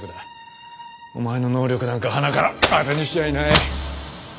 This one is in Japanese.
お前の能力なんかはなからあてにしちゃいない。